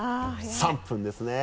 ３分ですね。